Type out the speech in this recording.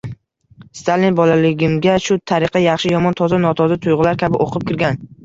Stalin bolaligimga shu tariqa yaxshi-yomon, toza-notoza tuyg’ular kabi oqib kirgan.